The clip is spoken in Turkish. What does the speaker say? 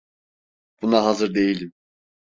Buna hazır değilim.